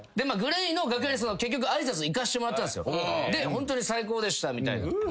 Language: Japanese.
ホントに最高でしたみたいな。